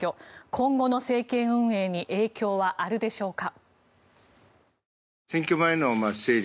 今後の政権運営に影響はあるでしょうか。